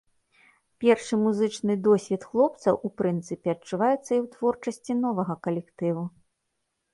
Першы музычны досвед хлопцаў, у прынцыпе, адчуваецца і ў творчасці новага калектыву.